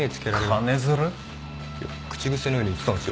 口癖のように言ってたんすよ。